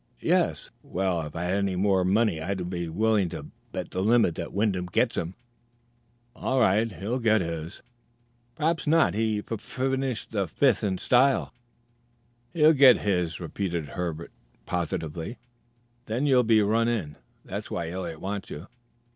"Yes." "Well, if I had any more money I'd be willing to bet the limit that Wyndham gets to him, all right. He'll get his." "Perhaps not. He fuf finished the fifth in style." "He'll get his," repeated Herbert positively. "Then you'll be run in. That's why Eliot wants you.